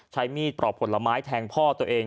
ใช้มีดปลอกผลไม้แทงพ่อตัวเอง